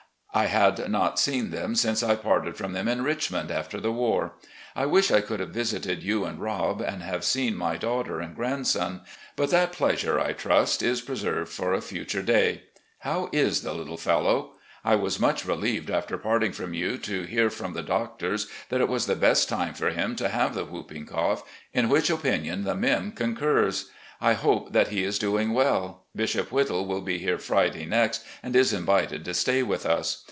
I had not seen them since I parted from them in Richmond after the war. I wish I could have visited you and Rob and have seen my daughter and grandson; but that pleasure, I trust, is preserved for a future day. How is the little fellow? I was much relieved after parting from you to hear from the doctors that it was the best time for him to have the whooping cough, in which opinion the 'Mim' concurs. I hope that he is doing well. Bishop Whittle will be here Friday next and is invited to stay with us.